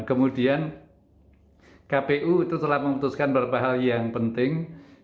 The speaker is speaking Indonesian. kemudian kpu itu telah memutuskan beberapa hal yang penting